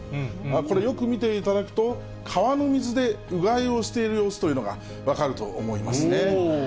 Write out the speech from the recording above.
これ、よく見ていただくと、川の水でうがいをしている様子というのが分かると思いますね。